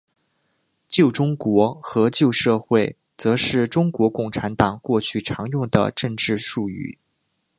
旧中国和旧社会则是中国共产党过去常用的政治术语。